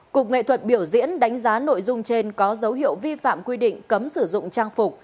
cục nghệ thuật biểu diễn đánh giá nội dung trên có dấu hiệu vi phạm quy định cấm sử dụng trang phục